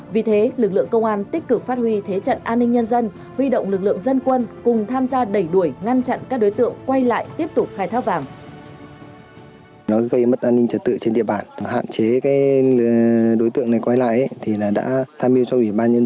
vì thế lực lượng công an tích cực phát huy thế trận an ninh nhân dân huy động lực lượng dân quân cùng tham gia đẩy đuổi ngăn chặn các đối tượng quay lại tiếp tục khai thác vàng